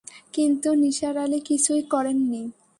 কিন্তু নিসার আলি কিছুই করেন নি।